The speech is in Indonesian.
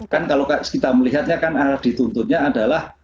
kan kalau kita melihatnya kan dituntutnya adalah